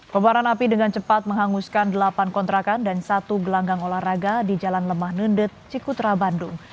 kebaran api dengan cepat menghanguskan delapan kontrakan dan satu gelanggang olahraga di jalan lemah nundet cikutra bandung